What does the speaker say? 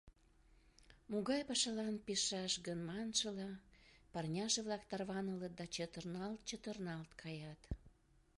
Могай пашалан пижшаш гын маншыла, парняже-влак тарванылыт да чытырналт-чытырналт каят.